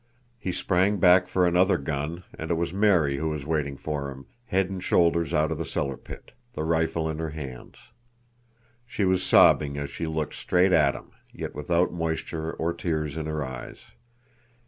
He sprang back for another gun, and it was Mary who was waiting for him, head and shoulders out of the cellar pit, the rifle in her hands. She was sobbing as she looked straight at him, yet without moisture or tears in her eyes.